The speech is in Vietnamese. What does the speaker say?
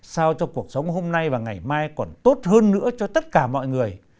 sao cho cuộc sống hôm nay và ngày mai còn tốt hơn nữa cho tất cả mọi người